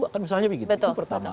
kan misalnya begitu